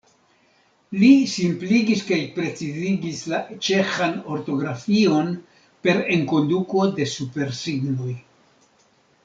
Li simpligis kaj precizigis la ĉeĥan ortografion per enkonduko de supersignoj.